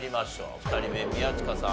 ２人目宮近さん